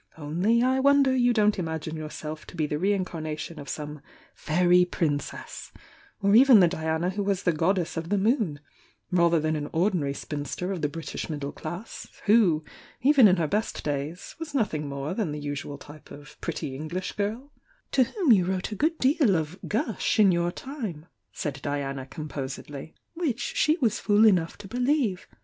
Only I wonder you don t Siapne yourself to be the reincarnation of some i^ princess ^r even the Diana who was the god desTof the moon, rather than an ordmary spinster of the British middle class, who, even m her b^t days, was nothmg more than the usual type of pretty ^^'^fwSm you wrote a good deal of 'gush' in your timtl" ^d^Dian* composedly "which ^e w^ fool enough to believe.